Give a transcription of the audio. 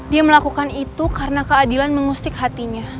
dia melakukan itu karena keadilan mengusik hatinya